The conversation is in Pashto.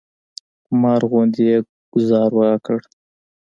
مار غوندې یې ګوزار راکړ.